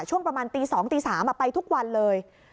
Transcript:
ช่วงประมาณตี๒ตี๓ไปทุกวันเลย